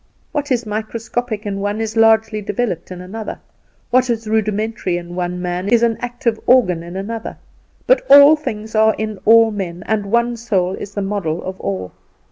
"What is microscopic in one is largely developed in another; what is a rudimentary in one man is an active organ in another; but all things are in all men, and one soul is the model of all.